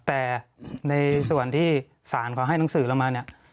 แต่ในส่วนที่ศาลเขาให้หนังสือเรามาเนี่ย